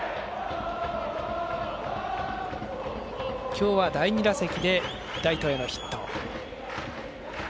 今日は第２打席でライトへのヒット。